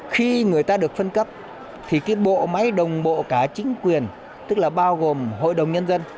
khi người ta được phân cấp thì cái bộ máy đồng bộ cả chính quyền tức là bao gồm hội đồng nhân dân